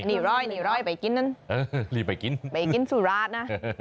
นี่ร่อยไปกินนั่นรีบไปกินไปกินสู่ร้านนะ